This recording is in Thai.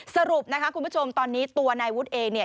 สรุปนะคะคุณผู้ชมตอนนี้ตัวนายวุฒิเองเนี่ย